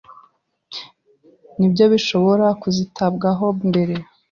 ni byo bishobora kuzitabwaho mbere.